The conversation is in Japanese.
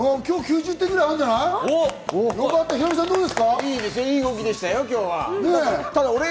今日９０点ぐらいあるんじゃない？